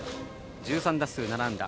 １３打数７安打。